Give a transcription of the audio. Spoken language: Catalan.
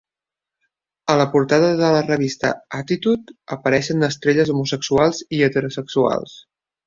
A la portada de la revista "Attitude" apareixen estrelles homosexuals i heterosexuals.